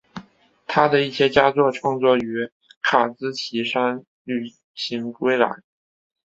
他的一些佳作创作于卡兹奇山旅行归来。